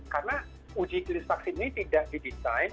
karena uji klien vaksin ini tidak didesain